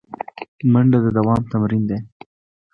منډه د دوام تمرین دی